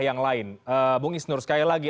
yang lain bung isnur sekali lagi